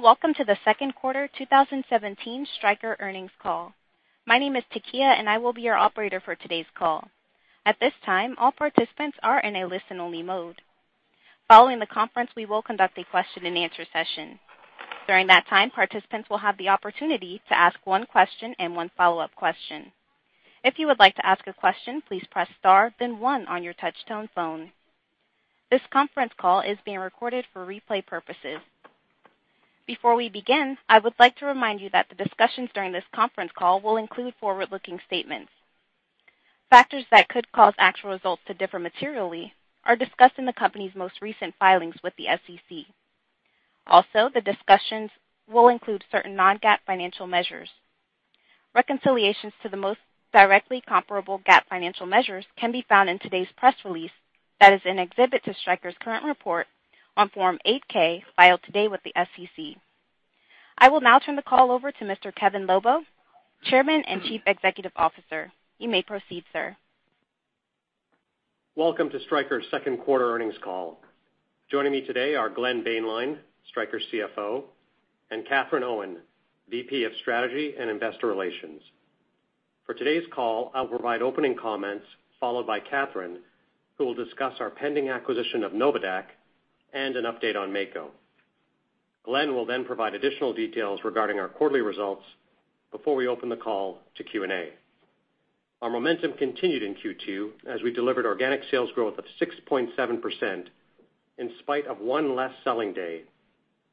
Welcome to the second quarter 2017 Stryker earnings call. My name is Takia and I will be your operator for today's call. At this time, all participants are in a listen-only mode. Following the conference, we will conduct a question and answer session. During that time, participants will have the opportunity to ask one question and one follow-up question. If you would like to ask a question, please press star then one on your touchtone phone. This conference call is being recorded for replay purposes. Before we begin, I would like to remind you that the discussions during this conference call will include forward-looking statements. Factors that could cause actual results to differ materially are discussed in the company's most recent filings with the SEC. Also, the discussions will include certain non-GAAP financial measures. Reconciliations to the most directly comparable GAAP financial measures can be found in today's press release that is an exhibit to Stryker's current report on Form 8-K filed today with the SEC. I will now turn the call over to Mr. Kevin Lobo, Chairman and Chief Executive Officer. You may proceed, sir. Welcome to Stryker's second quarter earnings call. Joining me today are Glenn Boehnlein, Stryker's CFO, and Katherine Owen, VP of Strategy and Investor Relations. For today's call, I'll provide opening comments followed by Katherine, who will discuss our pending acquisition of NOVADAQ and an update on Mako. Glenn will then provide additional details regarding our quarterly results before we open the call to Q&A. Our momentum continued in Q2 as we delivered organic sales growth of 6.7% in spite of one less selling day,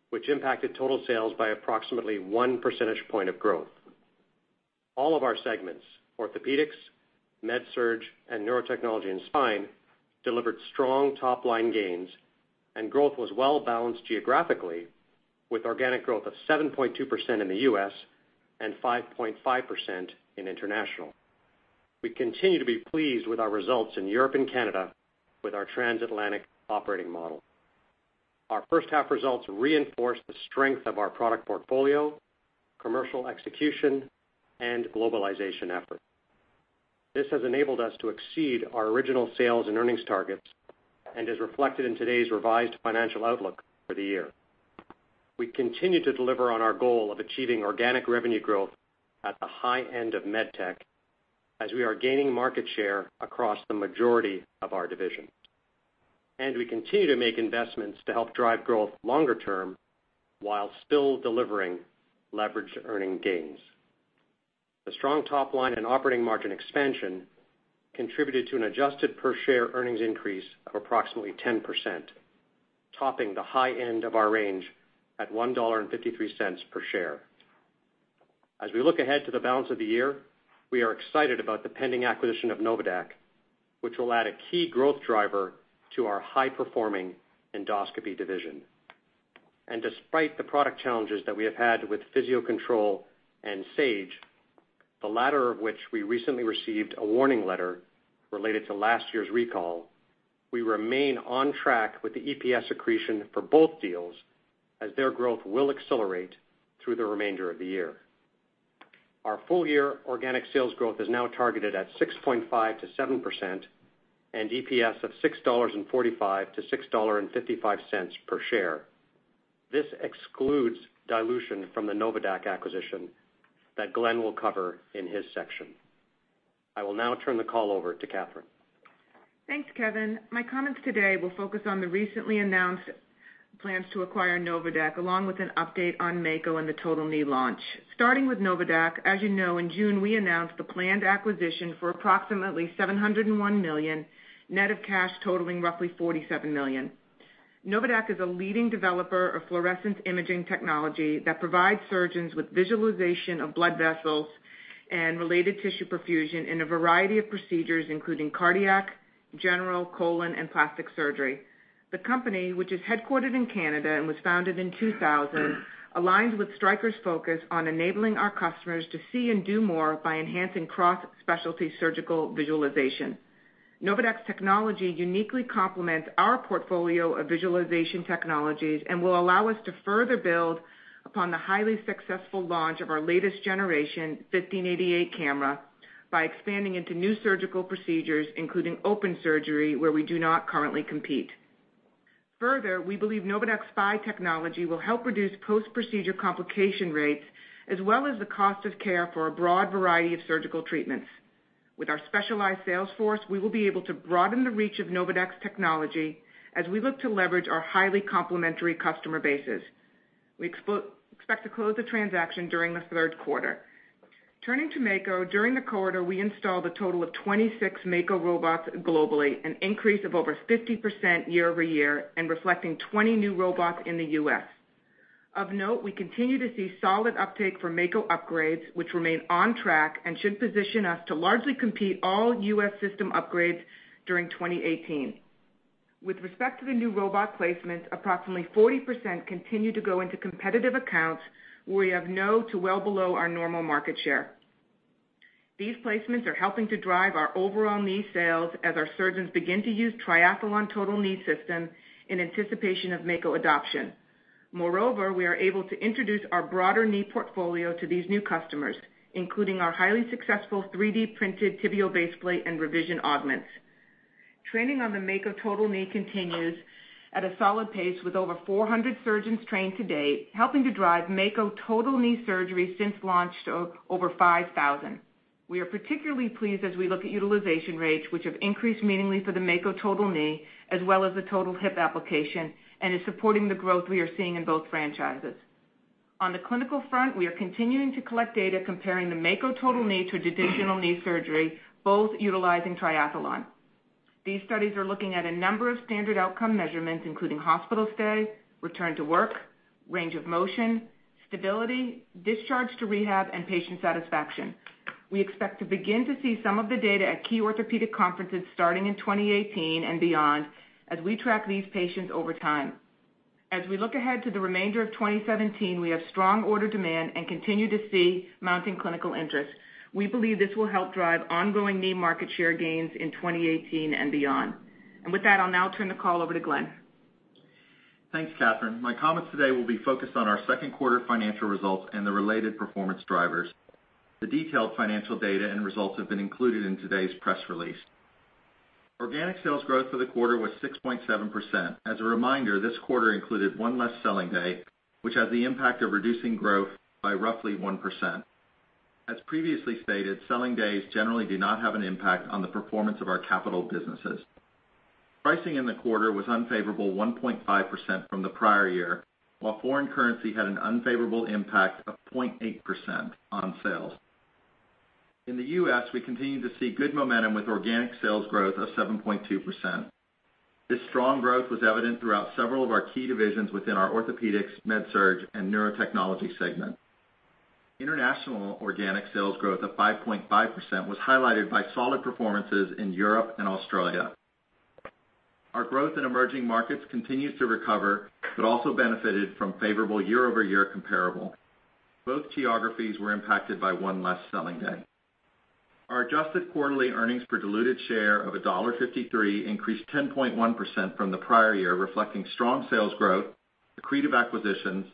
which impacted total sales by approximately one percentage point of growth. All of our segments, Orthopaedics, MedSurg, and Neurotechnology and Spine, delivered strong top-line gains and growth was well-balanced geographically with organic growth of 7.2% in the U.S. and 5.5% in international. We continue to be pleased with our results in Europe and Canada with our Trans-Atlantic operating model. Our first half results reinforce the strength of our product portfolio, commercial execution, and globalization efforts. This has enabled us to exceed our original sales and earnings targets and is reflected in today's revised financial outlook for the year. We continue to deliver on our goal of achieving organic revenue growth at the high end of med tech as we are gaining market share across the majority of our divisions. We continue to make investments to help drive growth longer term while still delivering leverage earning gains. The strong top line and operating margin expansion contributed to an adjusted per share earnings increase of approximately 10%, topping the high end of our range at $1.53 per share. As we look ahead to the balance of the year, we are excited about the pending acquisition of NOVADAQ, which will add a key growth driver to our high-performing Endoscopy division. Despite the product challenges that we have had with Physio-Control and Sage Products, the latter of which we recently received a warning letter related to last year's recall, we remain on track with the EPS accretion for both deals as their growth will accelerate through the remainder of the year. Our full-year organic sales growth is now targeted at 6.5%-7% and EPS of $6.45-$6.55 per share. This excludes dilution from the NOVADAQ acquisition that Glenn will cover in his section. I will now turn the call over to Katherine. Thanks, Kevin. My comments today will focus on the recently announced plans to acquire NOVADAQ, along with an update on Mako and the total knee launch. Starting with NOVADAQ, as you know, in June, we announced the planned acquisition for approximately $701 million, net of cash totaling roughly $47 million. NOVADAQ is a leading developer of fluorescence imaging technology that provides surgeons with visualization of blood vessels and related tissue profusion in a variety of procedures, including cardiac, general, colon, and plastic surgery. The company, which is headquartered in Canada and was founded in 2000, aligns with Stryker's focus on enabling our customers to see and do more by enhancing cross-specialty surgical visualization. NOVADAQ's technology uniquely complements our portfolio of visualization technologies and will allow us to further build upon the highly successful launch of our latest generation 1588 camera by expanding into new surgical procedures, including open surgery, where we do not currently compete. Further, we believe NOVADAQ's SPY technology will help reduce post-procedure complication rates as well as the cost of care for a broad variety of surgical treatments. With our specialized sales force, we will be able to broaden the reach of NOVADAQ's technology as we look to leverage our highly complementary customer bases. We expect to close the transaction during the third quarter. Turning to Mako. During the quarter, we installed a total of 26 Mako robots globally, an increase of over 50% year-over-year and reflecting 20 new robots in the U.S. Of note, we continue to see solid uptake for Mako upgrades, which remain on track and should position us to largely complete all U.S. system upgrades during 2018. With respect to the new robot placements, approximately 40% continue to go into competitive accounts where we have no to well below our normal market share. These placements are helping to drive our overall knee sales as our surgeons begin to use Triathlon total knee system in anticipation of Mako adoption. Moreover, we are able to introduce our broader knee portfolio to these new customers, including our highly successful 3D printed tibial baseplate and revision augments. Training on the Mako Total Knee continues at a solid pace with over 400 surgeons trained to date, helping to drive Mako Total Knee surgeries since launch to over 5,000. We are particularly pleased as we look at utilization rates, which have increased meaningfully for the Mako Total Knee, as well as the total hip application, and is supporting the growth we are seeing in both franchises. On the clinical front, we are continuing to collect data comparing the Mako Total Knee to a traditional knee surgery, both utilizing Triathlon. These studies are looking at a number of standard outcome measurements, including hospital stay, return to work, range of motion, stability, discharge to rehab, and patient satisfaction. We expect to begin to see some of the data at key Orthopaedics conferences starting in 2018 and beyond, as we track these patients over time. As we look ahead to the remainder of 2017, we have strong order demand and continue to see mounting clinical interest. We believe this will help drive ongoing knee market share gains in 2018 and beyond. With that, I'll now turn the call over to Glenn. Thanks, Katherine. My comments today will be focused on our second quarter financial results and the related performance drivers. The detailed financial data and results have been included in today's press release. Organic sales growth for the quarter was 6.7%. As a reminder, this quarter included one less selling day, which had the impact of reducing growth by roughly 1%. As previously stated, selling days generally do not have an impact on the performance of our capital businesses. Pricing in the quarter was unfavorable 1.5% from the prior year, while foreign currency had an unfavorable impact of 0.8% on sales. In the U.S., we continue to see good momentum with organic sales growth of 7.2%. This strong growth was evident throughout several of our key divisions within our Orthopaedics, MedSurg, and Neurotechnology segment. International organic sales growth of 5.5% was highlighted by solid performances in Europe and Australia. Our growth in emerging markets continues to recover, also benefited from favorable year-over-year comparable. Both geographies were impacted by one less selling day. Our adjusted quarterly earnings per diluted share of $1.53 increased 10.1% from the prior year, reflecting strong sales growth, accretive acquisitions,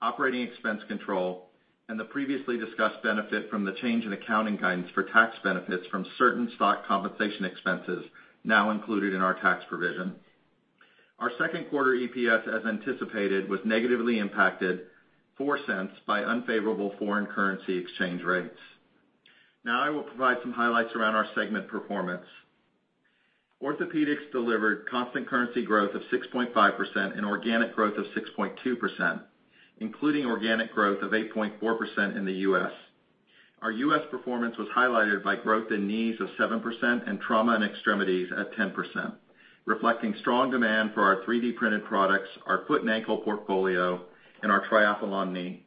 operating expense control, and the previously discussed benefit from the change in accounting guidance for tax benefits from certain stock compensation expenses now included in our tax provision. Our second quarter EPS, as anticipated, was negatively impacted $0.04 by unfavorable foreign currency exchange rates. Now I will provide some highlights around our segment performance. Orthopaedics delivered constant currency growth of 6.5% and organic growth of 6.2%, including organic growth of 8.4% in the U.S. Our U.S. performance was highlighted by growth in knees of 7% and trauma and extremities at 10%, reflecting strong demand for our 3D-printed products, our foot and ankle portfolio, and our Triathlon knee.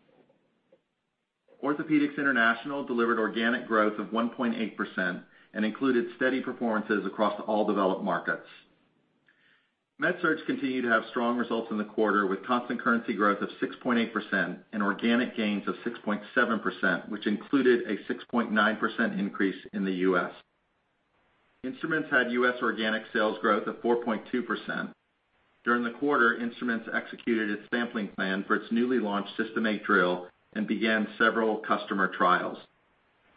Orthopaedics International delivered organic growth of 1.8% and included steady performances across all developed markets. MedSurg continued to have strong results in the quarter with constant currency growth of 6.8% and organic gains of 6.7%, which included a 6.9% increase in the U.S. Instruments had U.S. organic sales growth of 4.2%. During the quarter, Instruments executed its sampling plan for its newly launched System 8 drill and began several customer trials.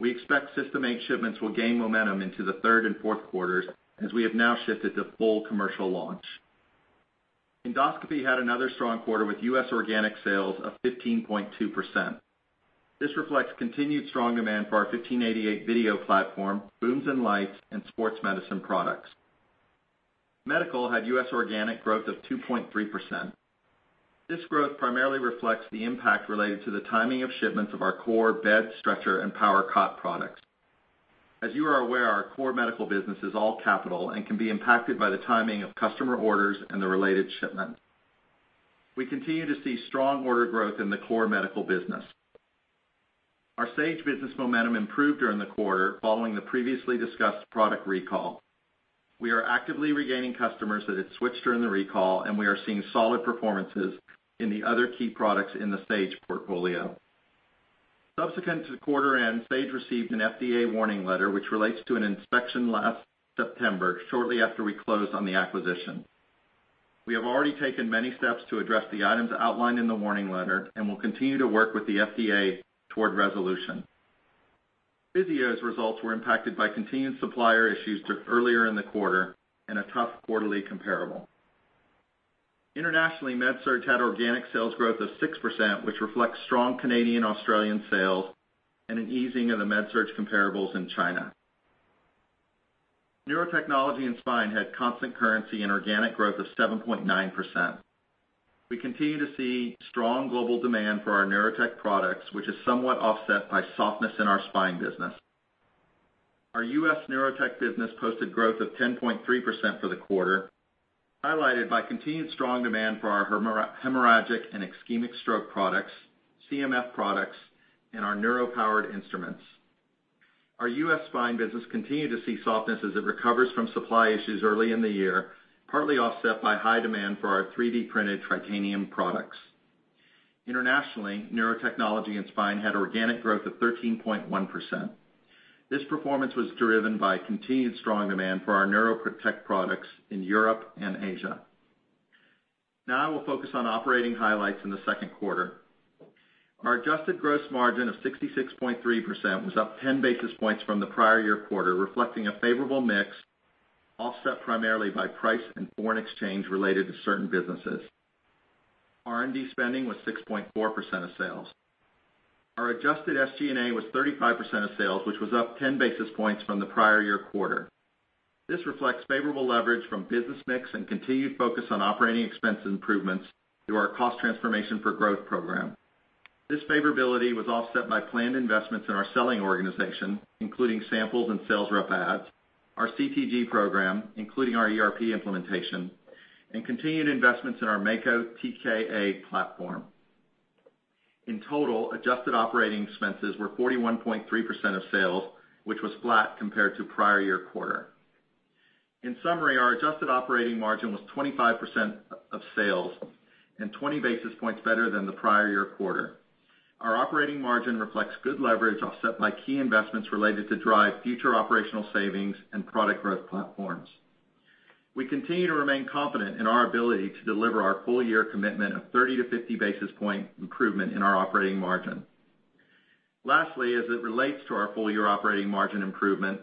We expect System 8 shipments will gain momentum into the third and fourth quarters as we have now shifted to full commercial launch. Endoscopy had another strong quarter with U.S. organic sales of 15.2%. This reflects continued strong demand for our 1588 AIM Platform, booms and lights, and sports medicine products. Medical had U.S. organic growth of 2.3%. This growth primarily reflects the impact related to the timing of shipments of our core bed, stretcher, and power cot products. As you are aware, our core Medical business is all capital and can be impacted by the timing of customer orders and the related shipment. We continue to see strong order growth in the core Medical business. Our Sage business momentum improved during the quarter following the previously discussed product recall. We are actively regaining customers that had switched during the recall, and we are seeing solid performances in the other key products in the Sage portfolio. Subsequent to the quarter end, Sage received an FDA warning letter, which relates to an inspection last September, shortly after we closed on the acquisition. We have already taken many steps to address the items outlined in the warning letter and will continue to work with the FDA toward resolution. Physio's results were impacted by continued supplier issues earlier in the quarter and a tough quarterly comparable. Internationally, MedSurg had organic sales growth of 6%, which reflects strong Canadian-Australian sales and an easing of the MedSurg comparables in China. Neurotechnology and Spine had constant currency and organic growth of 7.9%. We continue to see strong global demand for our Neurotechnology products, which is somewhat offset by softness in our Spine business. Our U.S. Neurotechnology business posted growth of 10.3% for the quarter, highlighted by continued strong demand for our hemorrhagic and ischemic stroke products, CMF products, and our neuro-powered instruments. Our U.S. Spine business continued to see softness as it recovers from supply issues early in the year, partly offset by high demand for our 3D-printed Tritanium products. Internationally, Neurotechnology and Spine had organic growth of 13.1%. This performance was driven by continued strong demand for our Neurotechnology products in Europe and Asia. I will focus on operating highlights in the second quarter. Our adjusted gross margin of 66.3% was up 10 basis points from the prior year quarter, reflecting a favorable mix, offset primarily by price and foreign exchange related to certain businesses. R&D spending was 6.4% of sales. Our adjusted SG&A was 35% of sales, which was up 10 basis points from the prior year quarter. This reflects favorable leverage from business mix and continued focus on operating expense improvements through our Cost Transformation for Growth program. This favorability was offset by planned investments in our selling organization, including samples and sales rep adds, our CTG program, including our ERP implementation, and continued investments in our Mako TKA platform. In total, adjusted operating expenses were 41.3% of sales, which was flat compared to prior year quarter. In summary, our adjusted operating margin was 25% of sales and 20 basis points better than the prior year quarter. Our operating margin reflects good leverage offset by key investments related to drive future operational savings and product growth platforms. We continue to remain confident in our ability to deliver our full year commitment of 30-50 basis points improvement in our operating margin. Lastly, as it relates to our full-year operating margin improvement,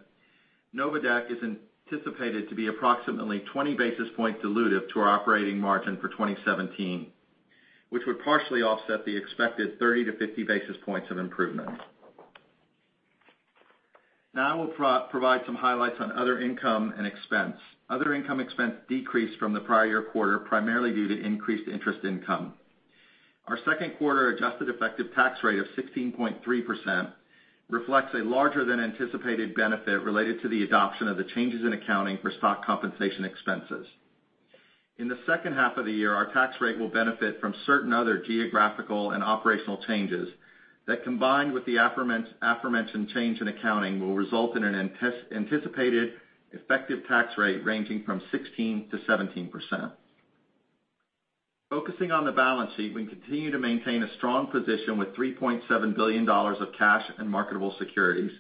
NOVADAQ is anticipated to be approximately 20 basis points dilutive to our operating margin for 2017, which would partially offset the expected 30-50 basis points of improvement. I will provide some highlights on other income and expense. Other income expense decreased from the prior year quarter, primarily due to increased interest income. Our second quarter adjusted effective tax rate of 16.3% reflects a larger than anticipated benefit related to the adoption of the changes in accounting for stock compensation expenses. In the second half of the year, our tax rate will benefit from certain other geographical and operational changes that, combined with the aforementioned change in accounting, will result in an anticipated effective tax rate ranging from 16%-17%. Focusing on the balance sheet, we continue to maintain a strong position with $3.7 billion of cash in marketable securities,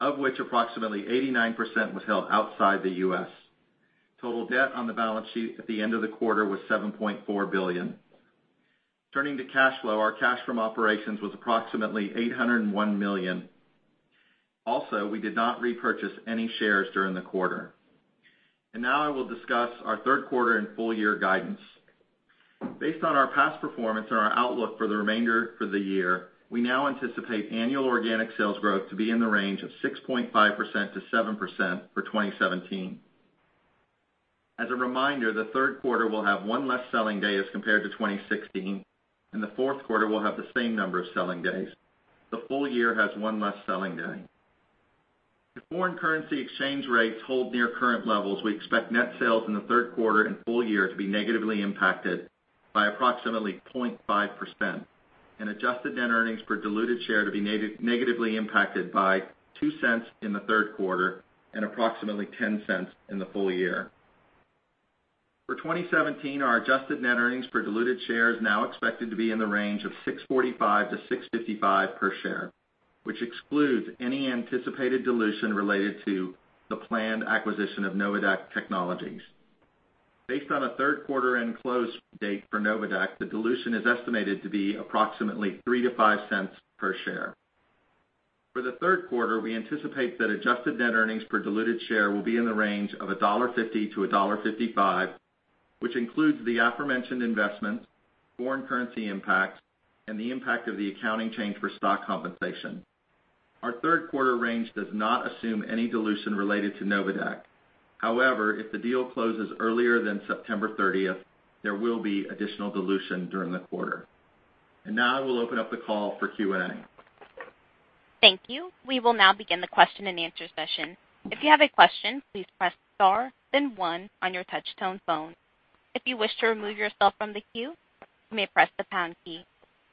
of which approximately 89% was held outside the U.S. Total debt on the balance sheet at the end of the quarter was $7.4 billion. Turning to cash flow, our cash from operations was approximately $801 million. Also, we did not repurchase any shares during the quarter. I will discuss our third quarter and full year guidance. Based on our past performance and our outlook for the remainder for the year, we now anticipate annual organic sales growth to be in the range of 6.5%-7% for 2017. As a reminder, the third quarter will have one less selling day as compared to 2016, and the fourth quarter will have the same number of selling days. The full year has one less selling day. If foreign currency exchange rates hold near current levels, we expect net sales in the third quarter and full year to be negatively impacted by approximately 0.5%, and adjusted net earnings per diluted share to be negatively impacted by $0.02 in the third quarter and approximately $0.10 in the full year. For 2017, our adjusted net earnings per diluted share is now expected to be in the range of $6.45-$6.55 per share, which excludes any anticipated dilution related to the planned acquisition of NOVADAQ Technologies. Based on a third quarter and close date for NOVADAQ, the dilution is estimated to be approximately $0.03-$0.05 per share. For the third quarter, we anticipate that adjusted net earnings per diluted share will be in the range of $1.50 to $1.55, which includes the aforementioned investments, foreign currency impacts, and the impact of the accounting change for stock compensation. Our third quarter range does not assume any dilution related to NOVADAQ. However, if the deal closes earlier than September 30th, there will be additional dilution during the quarter. Now I will open up the call for Q&A. Thank you. We will now begin the question and answer session. If you have a question, please press star then one on your touch tone phone. If you wish to remove yourself from the queue, you may press the pound key.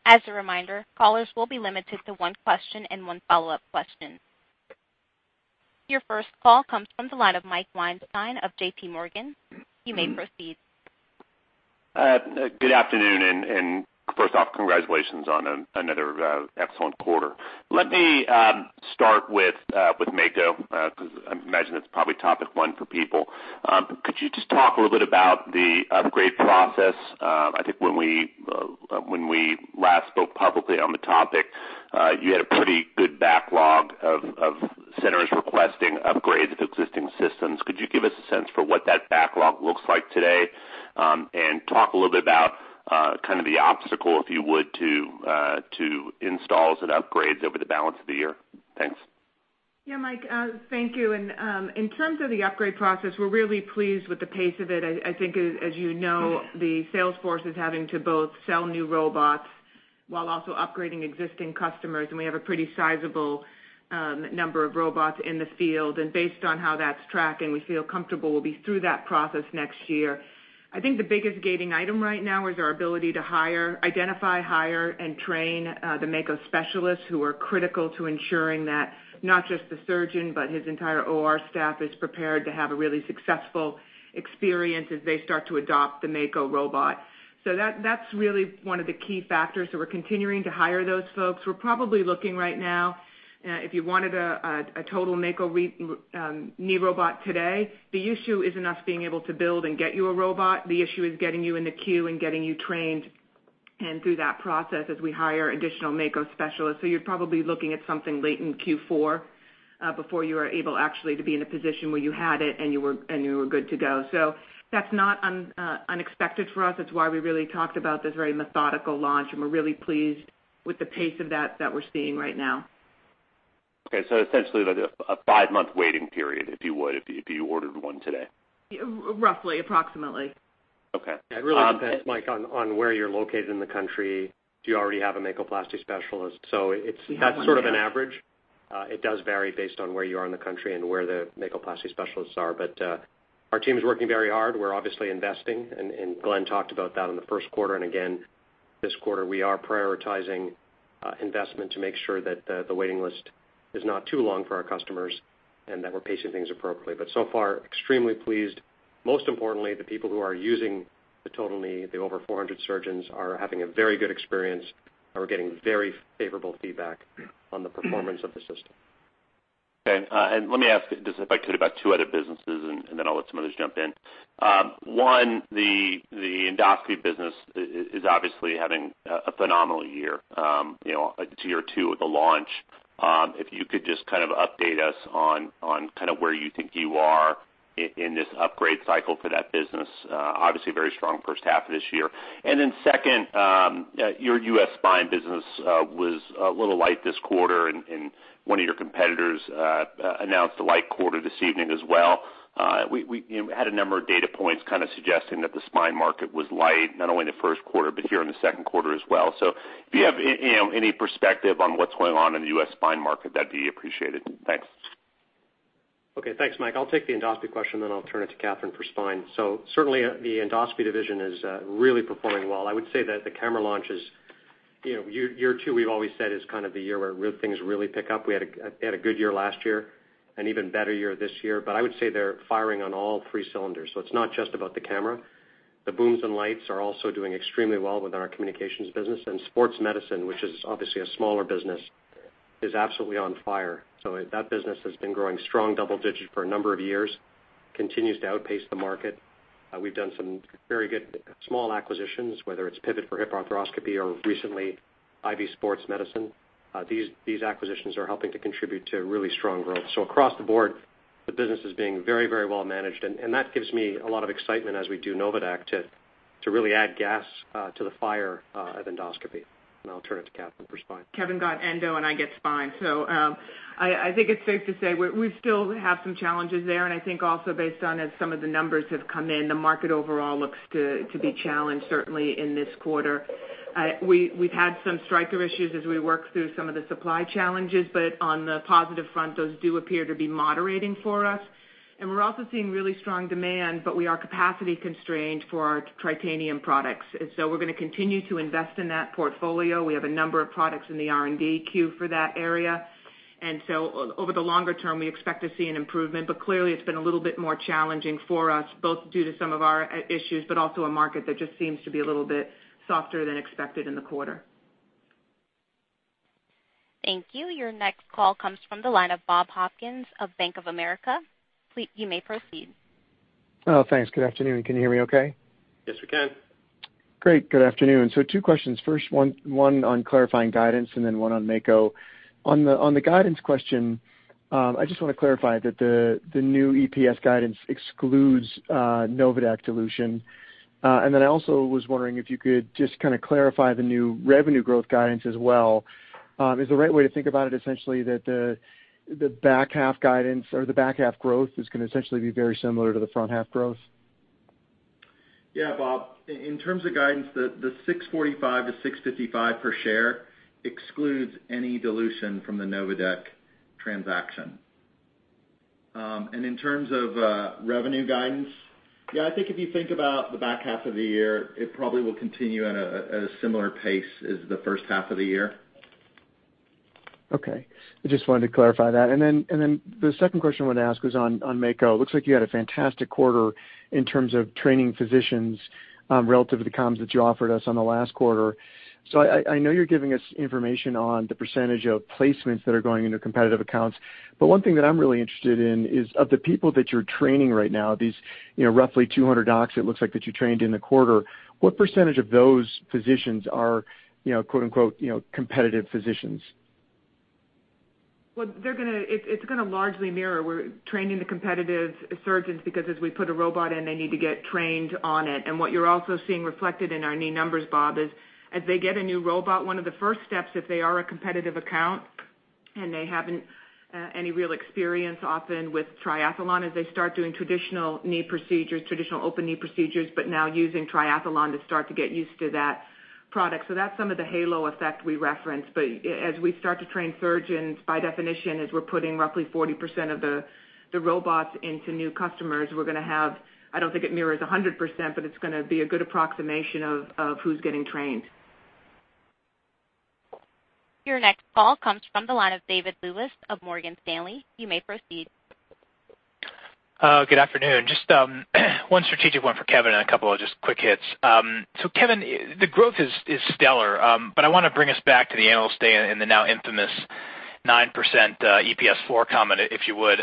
As a reminder, callers will be limited to one question and one follow-up question. Your first call comes from the line of Mike Weinstein of JP Morgan. You may proceed. Good afternoon, first off, congratulations on another excellent quarter. Let me start with Mako, because I imagine it's probably topic one for people. Could you just talk a little bit about the upgrade process? I think when we last spoke publicly on the topic, you had a pretty good backlog of centers requesting upgrades of existing systems. Could you give us a sense for what that backlog looks like today? Talk a little bit about the obstacle, if you would, to installs and upgrades over the balance of the year. Thanks. Yeah, Mike. Thank you. In terms of the upgrade process, we're really pleased with the pace of it. I think as you know, the sales force is having to both sell new robots while also upgrading existing customers, and we have a pretty sizable number of robots in the field. Based on how that's tracking, we feel comfortable we'll be through that process next year. I think the biggest gating item right now is our ability to identify, hire, and train the Mako specialists who are critical to ensuring that not just the surgeon, but his entire OR staff is prepared to have a really successful experience as they start to adopt the Mako robot. That's really one of the key factors. We're continuing to hire those folks. We're probably looking right now, if you wanted a total Mako knee robot today, the issue isn't us being able to build and get you a robot. The issue is getting you in the queue and getting you trained. Through that process, as we hire additional Mako specialists. You're probably looking at something late in Q4, before you are able actually to be in a position where you had it and you were good to go. That's not unexpected for us. That's why we really talked about this very methodical launch, and we're really pleased with the pace of that we're seeing right now. Okay. Essentially like a five-month waiting period, if you would, if you ordered one today. Roughly. Approximately. Okay. It really depends, Mike, on where you're located in the country. Do you already have a MAKOplasty specialist? It's sort of an average. It does vary based on where you are in the country and where the MAKOplasty specialists are. Our team is working very hard. We're obviously investing, and Glenn talked about that in the first quarter, and again this quarter. We are prioritizing investment to make sure that the waiting list is not too long for our customers and that we're pacing things appropriately. So far extremely pleased. Most importantly, the people who are using the Total Knee, the over 400 surgeons, are having a very good experience, and we're getting very favorable feedback on the performance of the system. Okay. Let me ask this, if I could, about two other businesses, then I'll let some others jump in. One, the Endoscopy business is obviously having a phenomenal year. Year two of the launch. If you could just kind of update us on kind of where you think you are in this upgrade cycle for that business. Obviously a very strong first half of this year. Second, your U.S. Spine business was a little light this quarter, and one of your competitors announced a light quarter this evening as well. We had a number of data points kind of suggesting that the spine market was light, not only in the first quarter, but here in the second quarter as well. If you have any perspective on what's going on in the U.S. Spine market, that'd be appreciated. Thanks. Okay. Thanks, Mike. I'll take the Endoscopy question, then I'll turn it to Katherine for Spine. Certainly the Endoscopy division is really performing well. I would say that the camera launch is, year two we've always said is kind of the year where things really pick up. We had a good year last year, an even better year this year. I would say they're firing on all three cylinders. It's not just about the camera. The booms and lights are also doing extremely well within our communications business. Sports medicine, which is obviously a smaller business, is absolutely on fire. That business has been growing strong double digit for a number of years, continues to outpace the market. We've done some very good small acquisitions, whether it's Pivot for hip arthroscopy or recently Ivy Sports Medicine. These acquisitions are helping to contribute to really strong growth. Across the board, the business is being very well managed, and that gives me a lot of excitement as we do NOVADAQ to really add gas to the fire of Endoscopy. I'll turn it to Katherine for Spine. Kevin got Endo and I get Spine. I think it's safe to say we still have some challenges there. I think also based on as some of the numbers have come in, the market overall looks to be challenged certainly in this quarter. We've had some Stryker issues as we work through some of the supply challenges, on the positive front, those do appear to be moderating for us. We're also seeing really strong demand, we are capacity constrained for our Tritanium products. We're going to continue to invest in that portfolio. We have a number of products in the R&D queue for that area. Over the longer term, we expect to see an improvement. Clearly it's been a little bit more challenging for us, both due to some of our issues, but also a market that just seems to be a little bit softer than expected in the quarter. Thank you. Your next call comes from the line of Bob Hopkins of Bank of America. Please, you may proceed. Thanks. Good afternoon. Can you hear me okay? Yes, we can. Great. Good afternoon. Two questions. First one on clarifying guidance and then one on Mako. On the guidance question, I just want to clarify that the new EPS guidance excludes NOVADAQ dilution. I also was wondering if you could just kind of clarify the new revenue growth guidance as well. Is the right way to think about it essentially that the back half guidance or the back half growth is going to essentially be very similar to the front half growth? Bob, in terms of guidance, the $6.45-$6.55 per share excludes any dilution from the NOVADAQ transaction. In terms of revenue guidance, I think if you think about the back half of the year, it probably will continue at a similar pace as the first half of the year. Okay. I just wanted to clarify that. The second question I wanted to ask was on Mako. Looks like you had a fantastic quarter in terms of training physicians relative to the comms that you offered us on the last quarter. I know you're giving us information on the % of placements that are going into competitive accounts, but one thing that I'm really interested in is of the people that you're training right now, these roughly 200 docs it looks like that you trained in the quarter, what % of those physicians are "competitive physicians"? It's going to largely mirror. We're training the competitive surgeons because as we put a robot in, they need to get trained on it. What you're also seeing reflected in our knee numbers, Bob, is as they get a new robot, one of the first steps, if they are a competitive account and they haven't any real experience often with Triathlon, is they start doing traditional knee procedures, traditional open knee procedures, but now using Triathlon to start to get used to that product. That's some of the halo effect we referenced. As we start to train surgeons, by definition, as we're putting roughly 40% of the robots into new customers, we're going to have, I don't think it mirrors 100%, but it's going to be a good approximation of who's getting trained. Your next call comes from the line of David Lewis of Morgan Stanley. You may proceed. Good afternoon. Just one strategic one for Kevin and a couple of just quick hits. Kevin, the growth is stellar. I want to bring us back to the Analyst Day and the now infamous 9% EPS floor comment, if you would.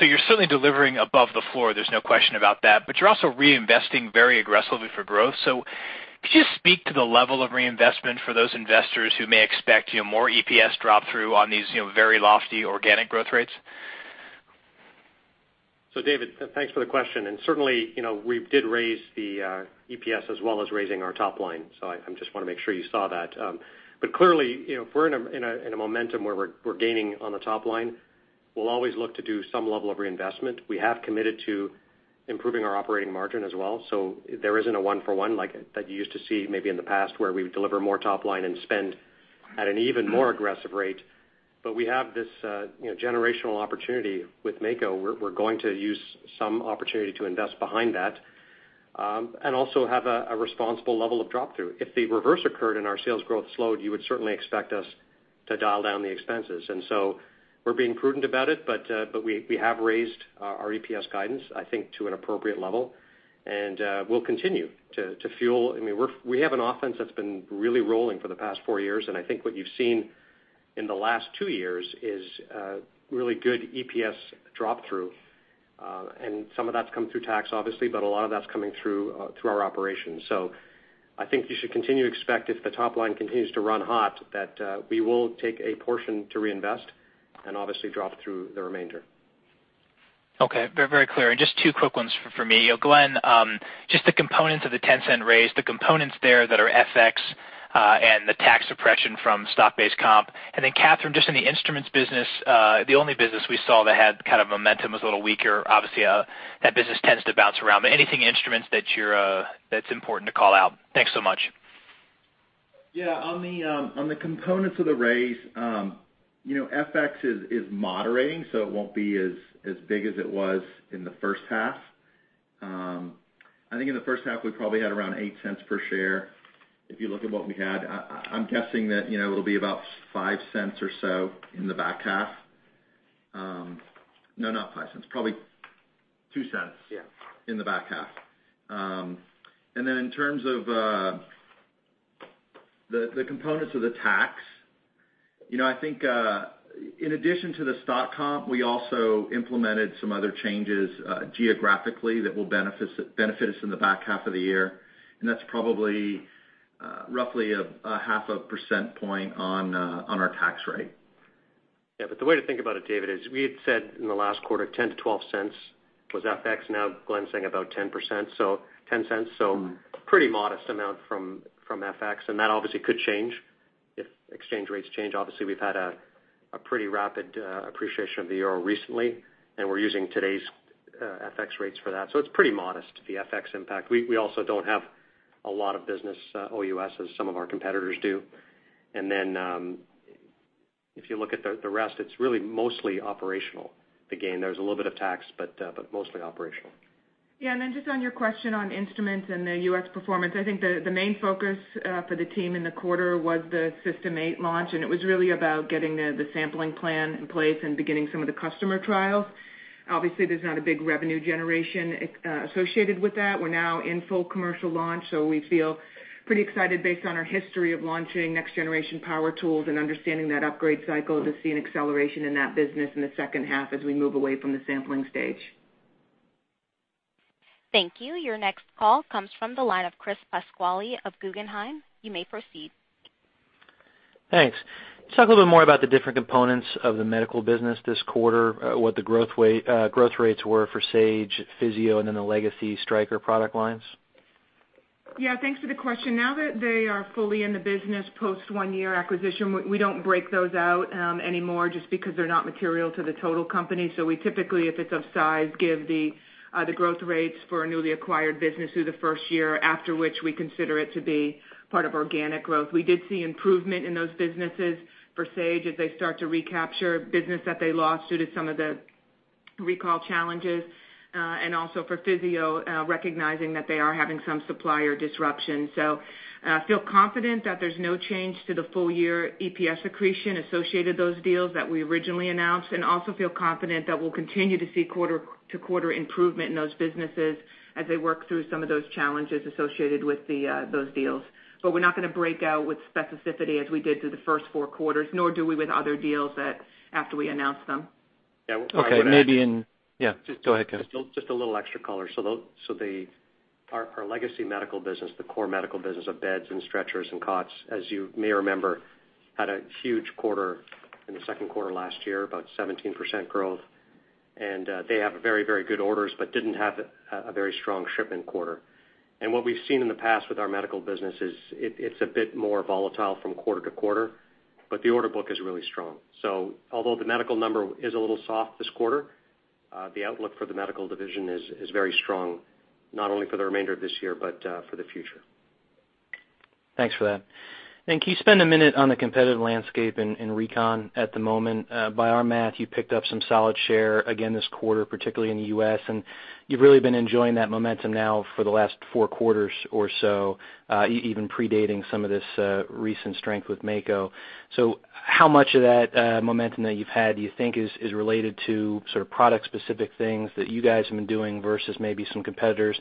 You're certainly delivering above the floor, there's no question about that, but you're also reinvesting very aggressively for growth. Could you just speak to the level of reinvestment for those investors who may expect more EPS drop through on these very lofty organic growth rates? David, thanks for the question, and certainly, we did raise the EPS as well as raising our top line. I just want to make sure you saw that. Clearly, if we're in a momentum where we're gaining on the top line, we'll always look to do some level of reinvestment. We have committed to improving our operating margin as well. There isn't a one for one like that you used to see maybe in the past where we would deliver more top line and spend at an even more aggressive rate. We have this generational opportunity with MAKO. We're going to use some opportunity to invest behind that, and also have a responsible level of drop through. If the reverse occurred and our sales growth slowed, you would certainly expect us to dial down the expenses. We're being prudent about it, we have raised our EPS guidance, I think, to an appropriate level. We'll continue to fuel. We have an offense that's been really rolling for the past four years, and I think what you've seen in the last two years is a really good EPS drop through. Some of that's come through tax obviously, but a lot of that's coming through our operations. I think you should continue to expect if the top line continues to run hot, that we will take a portion to reinvest and obviously drop through the remainder. Okay. Very clear. Just two quick ones for me. Glenn, just the components of the $0.10 raise, the components there that are FX, and the tax suppression from stock-based comp. Katherine, just in the Instruments business, the only business we saw that had kind of momentum was a little weaker. Obviously, that business tends to bounce around. Anything Instruments that's important to call out? Thanks so much. Yeah. On the components of the raise, FX is moderating, it won't be as big as it was in the first half. I think in the first half, we probably had around $0.08 per share. If you look at what we had, I'm guessing that it'll be about $0.05 or so in the back half. No, not $0.05. Probably $0.02. Yeah in the back half. In terms of the components of the tax, I think, in addition to the stock comp, we also implemented some other changes geographically that will benefit us in the back half of the year. That's probably roughly a half a % point on our tax rate. The way to think about it, David, is we had said in the last quarter, $0.10-$0.12 was FX. Glenn is saying about $0.10, pretty modest amount from FX. That obviously could change if exchange rates change. Obviously, we've had a pretty rapid appreciation of the euro recently, and we're using today's FX rates for that. It's pretty modest, the FX impact. We also don't have a lot of business OUS as some of our competitors do. If you look at the rest, it's really mostly operational, the gain. There's a little bit of tax, mostly operational. Just on your question on instruments and the U.S. performance, I think the main focus for the team in the quarter was the System 8 launch, it was really about getting the sampling plan in place and beginning some of the customer trials. Obviously, there's not a big revenue generation associated with that. We're now in full commercial launch, we feel pretty excited based on our history of launching next generation power tools and understanding that upgrade cycle to see an acceleration in that business in the second half as we move away from the sampling stage. Thank you. Your next call comes from the line of Chris Pasquale of Guggenheim. You may proceed. Thanks. Can you talk a little bit more about the different components of the medical business this quarter, what the growth rates were for Sage, Physio, the legacy Stryker product lines? Yeah, thanks for the question. Now that they are fully in the business post one year acquisition, we don't break those out anymore just because they're not material to the total company. We typically, if it's of size, give the growth rates for a newly acquired business through the first year, after which we consider it to be part of organic growth. We did see improvement in those businesses for Sage as they start to recapture business that they lost due to some of the recall challenges, and also for Physio, recognizing that they are having some supplier disruption. Feel confident that there's no change to the full year EPS accretion associated those deals that we originally announced, and also feel confident that we'll continue to see quarter-to-quarter improvement in those businesses as they work through some of those challenges associated with those deals. We're not going to break out with specificity as we did through the first four quarters, nor do we with other deals after we announce them. Yeah, I would add- Okay, maybe. Yeah, go ahead. Just a little extra color. Our legacy medical business, the core medical business of beds and stretchers and cots, as you may remember, had a huge quarter in the second quarter last year, about 17% growth. They have very good orders, but didn't have a very strong shipment quarter. What we've seen in the past with our medical business is it's a bit more volatile from quarter to quarter, but the order book is really strong. Although the medical number is a little soft this quarter, the outlook for the Medical division is very strong, not only for the remainder of this year, but for the future. Thanks for that. Can you spend a minute on the competitive landscape in recon at the moment? By our math, you picked up some solid share again this quarter, particularly in the U.S., and you've really been enjoying that momentum now for the last four quarters or so, even predating some of this recent strength with Mako. How much of that momentum that you've had do you think is related to product specific things that you guys have been doing versus maybe some competitors